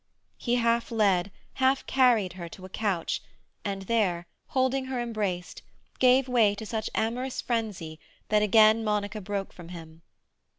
He half led, half carried, her to a couch, and there, holding her embraced, gave way to such amorous frenzy that again Monica broke from him.